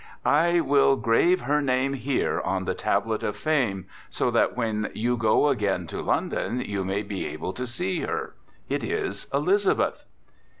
I will grave her name here on the tablet of fame, so that when you go again to London you may be able to see her. It is Elizabeth.